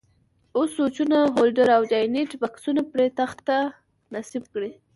اوس سویچونه، هولډر او جاینټ بکسونه پر تخته نصب کړئ.